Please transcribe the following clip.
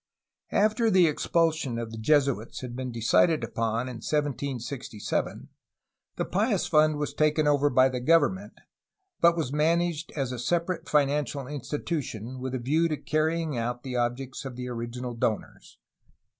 After the expulsion of the Jesuits had been decided upon in 1767, the Pious Fund was taken over by the government, but was managed as a separate financial institution, with a view to carrying out the objects of the original donors.